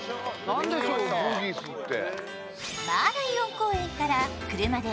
何でしょう、ブギスって。